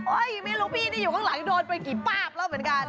ไม่รู้พี่นี่อยู่ข้างหลังโดนไปกี่ปากแล้วเหมือนกัน